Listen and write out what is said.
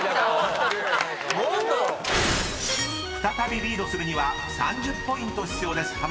［再びリードするには３０ポイント必要です